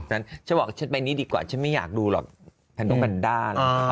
ฉันบอกว่าฉันไปนี่ดีกว่าฉันไม่อยากดูหรอกแผนกันด้าน